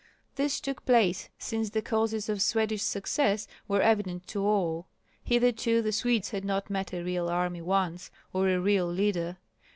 This took place since the causes of Swedish success were evident to all. Hitherto the Swedes had not met a real army once, or a real leader.